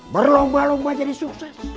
berlomba lomba jadi sukses